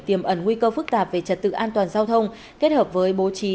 tiềm ẩn nguy cơ phức tạp về trật tự an toàn giao thông kết hợp với bố trí